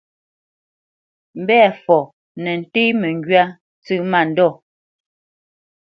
Mbɛ̂fɔ nə́ ntéé məŋgywá ntsə́ mándɔ̂.